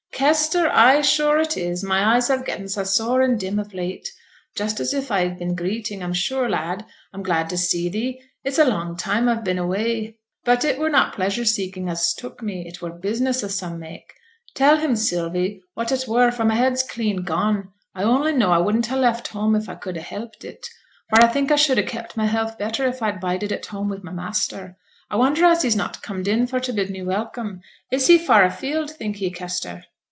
'Kester! ay, sure it is; my eyes have getten so sore and dim of late; just as if I'd been greeting. I'm sure, lad, I'm glad to see thee! It's a long time I've been away, but it were not pleasure seeking as took me, it were business o' some mak' tell him, Sylvie, what it were, for my head's clean gone. I only know I wouldn't ha' left home if I could ha' helped it; for I think I should ha' kept my health better if I'd bided at home wi' my master. I wonder as he's not comed in for t' bid me welcome? Is he far afield, think ye, Kester?'